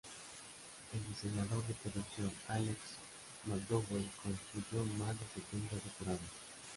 El diseñador de producción Alex McDowell construyó más de setenta decorados.